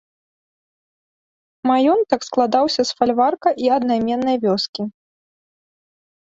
Маёнтак складаўся з фальварка і аднайменнай вёскі.